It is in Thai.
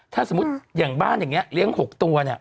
ถ้าสมมุติอย่างบ้านอย่างนี้เลี้ยง๖ตัวเนี่ย